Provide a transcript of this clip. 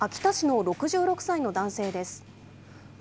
秋田市の６６歳の男性です。